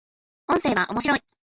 音声は、面白い